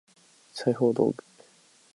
裁縫道具